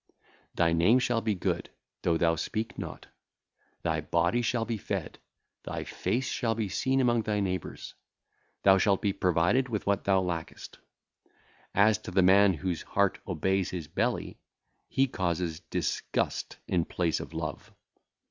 Thy name shall be good, though thou speak not; thy body shall be fed; thy face shall be [seen] among thy neighbours; thou shalt be provided with what thou lackest. As to the man whose heart obeyeth his belly, he causeth disgust in place of love.